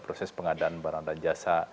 proses pengadaan barang dan jasa